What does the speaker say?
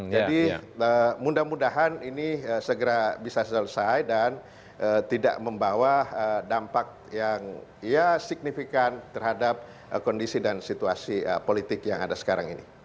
jadi mudah mudahan ini segera bisa selesai dan tidak membawa dampak yang signifikan terhadap kondisi dan situasi politik yang ada sekarang ini